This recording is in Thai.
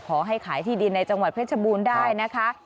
ขอให้ขายที่ดินในจังหวัดเพชรบูรณ์ได้นะคะ